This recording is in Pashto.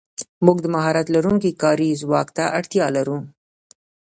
موږ د مهارت لرونکي کاري ځواک ته اړتیا لرو.